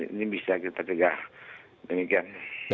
ini bisa kita cegah demikian